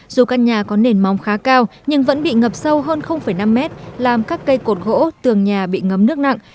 dù căn nhà có nền móng khá cao nhưng vẫn bị ngập sâu hơn năm mét làm các cây cột gỗ tường nhà bị ngấm nước nặng